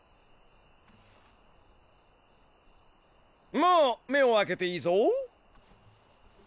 もう目を開けていいぞ。